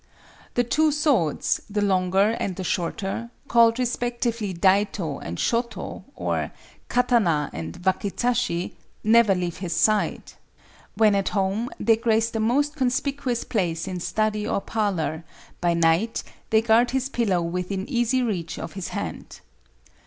The two swords, the longer and the shorter—called respectively daito and shoto or katana and wakizashi—never leave his side. When at home, they grace the most conspicuous place in study or parlor; by night they guard his pillow within easy reach of his hand.